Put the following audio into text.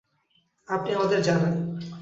আপনি আমাদের জানেন!